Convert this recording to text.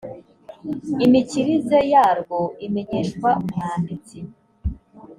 imikirize yarwo imenyeshwa umwanditsi